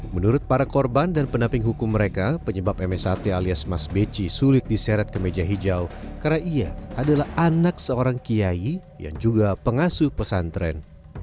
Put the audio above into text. menurut para korban dan pendamping hukum mereka penyebab msat alias mas beci sulit diseret ke meja hijau karena ia adalah anak seorang kiai yang juga pengasuh pesantren